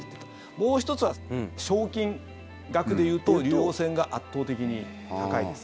もう１つは、賞金額でいうと竜王戦が圧倒的に高いです。